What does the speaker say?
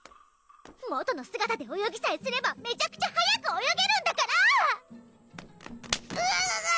元の姿で泳ぎさえすればめちゃくちゃ速く泳げるんだからぐぅ！